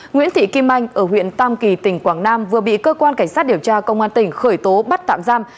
nguyễn thị kim anh ở huyện tam kỳ tỉnh quảng nam vừa bị cơ quan cảnh sát điều tra công an tỉnh khởi tố bắt tạm giam